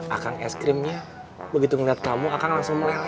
akang es krimnya begitu ngeliat kamu akang langsung meleleh